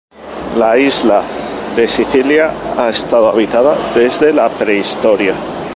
La isla de Sicilia ha estado habitada desde la Prehistoria.